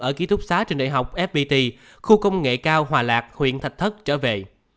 ở ký thúc xá trên đại học fpt khu công nghệ cao hòa lạc huyện thạch thất trở về